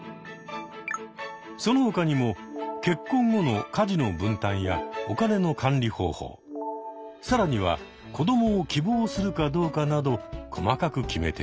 その他にも結婚後の家事の分担やお金の管理方法更には子どもを希望するかどうかなど細かく決めていく。